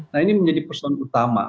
nah ini menjadi persoalan utama